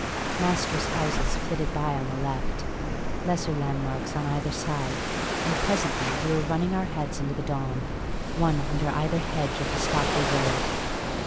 Masters' houses flitted by on the left, lesser landmarks on either side, and presently we were running our heads into the dawn, one under either hedge of the Stockley road.